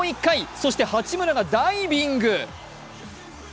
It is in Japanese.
そして八村がダイビング。